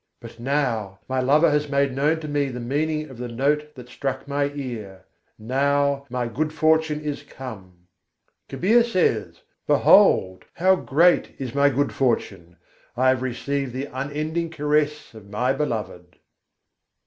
But now, my Lover has made known to me the meaning of the note that struck my ear: Now, my good fortune is come. Kabîr says: "Behold! how great is my good fortune! I have received the unending caress of my Beloved!" LXXXVII I. 71.